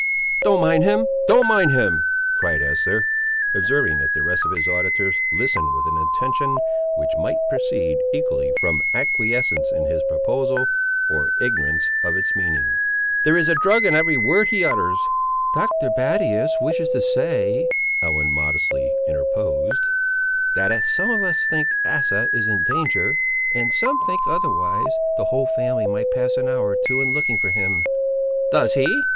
"Don't mind him, don't mind him," cried Esther, observing that the rest of his auditors listened with an attention which might proceed, equally, from acquiescence in his proposal or ignorance of its meaning. "There is a drug in every word he utters." "Dr. Battius wishes to say," Ellen modestly interposed, "that as some of us think Asa is in danger, and some think otherwise, the whole family might pass an hour or two in looking for him." "Does he?"